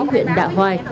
huyện đạo hoài